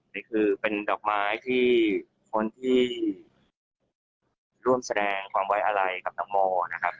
นี่คือเป็นดอกไม้ที่คนที่ร่วมแสดงความไว้อะไรกับน้องโมนะครับ